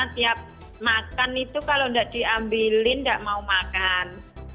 tiap makan itu kalau nggak diambilin nggak mau makan